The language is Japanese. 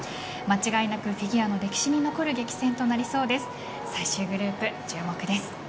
間違いなくフィギュアの歴史に残る激戦となりそうです。